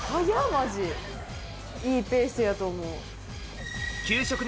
マジいいペースやと思う。